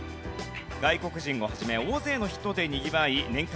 外国人を始め大勢の人でにぎわい年間